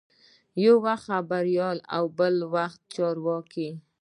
یو وخت خبریال او بل وخت چارواکی.